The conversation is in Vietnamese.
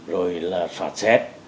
rồi là soát xét